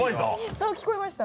そう聞こえました。